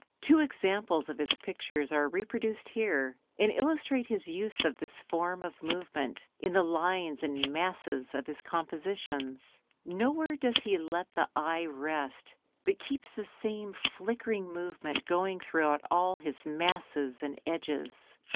Two examples of his pictures are reproduced here, and illustrate his use of this form of movement in the lines and masses of his compositions. Nowhere does he let the eye rest, but keeps the same flickering movement going throughout all his masses and edges.